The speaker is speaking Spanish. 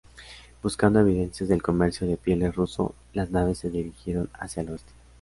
Buscando evidencias del comercio de pieles ruso, las naves se dirigieron hacia el oeste.